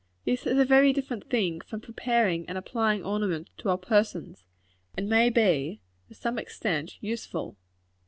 This is a very different thing from preparing and applying ornaments to our persons; and may be, to some extent, useful.